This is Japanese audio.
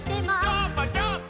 どーもどーも。